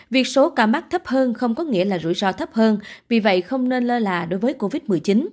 việc số ca mắc thấp hơn không có nghĩa là rủi ro thấp hơn vì vậy không nên lơ là đối với covid một mươi chín